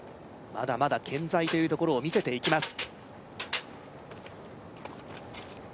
まだまだ健在というところを見せていきます